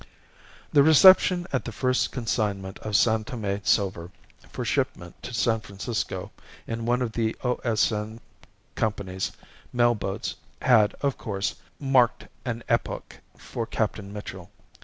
The reception of the first consignment of San Tome silver for shipment to San Francisco in one of the O.S.N. Co.'s mail boats had, of course, "marked an epoch" for Captain Mitchell.